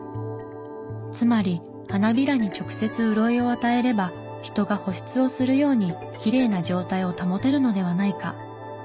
つまり花びらに直接潤いを与えれば人が保湿をするようにきれいな状態を保てるのではないか。